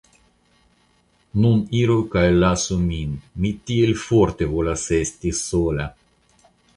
Nun iru kaj lasu min, mi tiel forte volas esti sola!